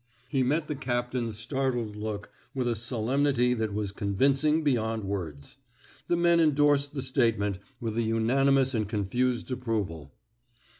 He met the captain's startled look with a solemnity that was con vincing beyond words. The men endorsed the statement with an unanimous and confused approval.